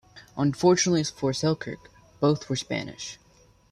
Unfortunately for Selkirk, both were Spanish.